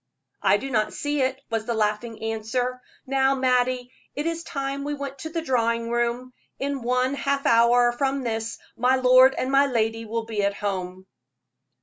"I do not see it," was the laughing answer. "Now, Mattie, it is time we went to the drawing room; in one half hour from this my lord and my lady will be at home."